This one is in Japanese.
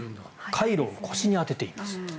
カイロを腰に当てています。